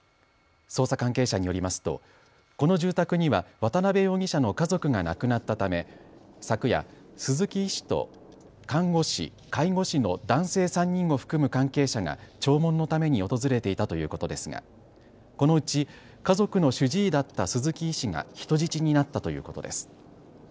捜査関係者によりますとこの住宅には渡邊容疑者の家族が亡くなったため昨夜、鈴木医師と看護師、介護士の男性３人を含む関係者が弔問のために訪れていたということですがこのうち家族の主治医だった鈴木医師が人質になったということです。